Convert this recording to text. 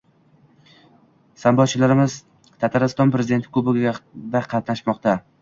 Sambochilarimiz Tatariston Prezidenti kubogida qatnashmoqda